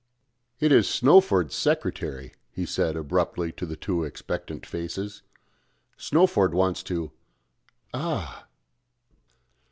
"It is Snowford's secretary," he said abruptly to the two expectant faces. "Snowford wants to ah!"